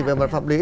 về mặt pháp lý